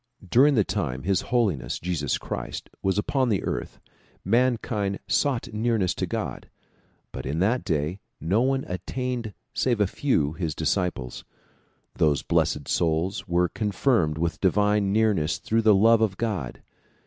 During the time His Holiness Jesus Christ was upon the earth mankind sought nearness to God, but in that day no one attained save a very few, his disciples. Those blessed souls were confirmed with divine nearness through the love of God.